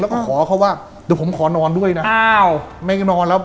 แล้วก็ขอเขาว่าเดี๋ยวผมขอนอนด้วยนะอ้าวแม่งนอนแล้ว